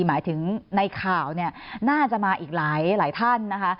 หมายถึงในข่าวเนี่ยน่าจะมาอีกหลายท่านนะคะ